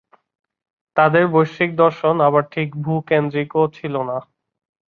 তাদের বৈশ্বিক-দর্শন আবার ঠিক ভূ-কেন্দ্রিকও ছিল না।